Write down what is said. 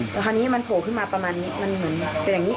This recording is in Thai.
แต่คราวนี้มันโผล่ขึ้นมาประมาณนี้มันเหมือนเป็นอย่างนี้